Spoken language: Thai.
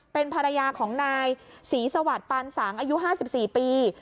เป็นภรรยาของนายศรีสวัสดิ์ปานสังอายุ๕๔ปี